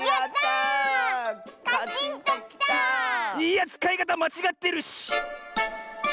いやつかいかたまちがってるし！